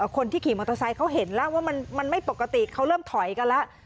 คนที่ขี่มอเตอร์ไซค์เขาเห็นแล้วว่ามันไม่ปกติเขาเริ่มถอยกันแล้ว